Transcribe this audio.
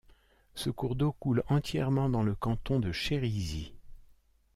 Ce cours d’eau coule entièrement dans le canton de Chérisy.